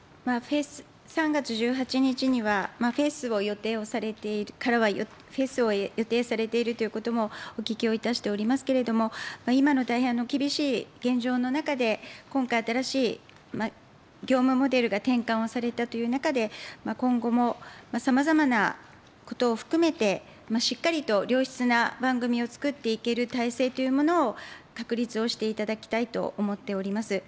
３月１８日には、フェスを予定をされている、フェスを予定されているということもお聞きをいたしておりますけれども、今の大変厳しい現状の中で、今回、新しい業務モデルが転換をされたという中で、今後もさまざまなことを含めて、しっかりと良質な番組を作っていける体制というものを、確立をしていただきたいと思っております。